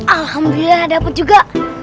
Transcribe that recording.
alhamdulillah dapet juga